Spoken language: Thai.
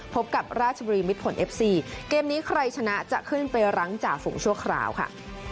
พบกับราชบุรีมิดผลเอฟซีเกมนี้ใครชนะจะขึ้นไปรั้งจ่าฝูงชั่วคราวค่ะ